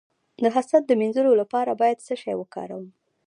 د حسد د مینځلو لپاره باید څه شی وکاروم؟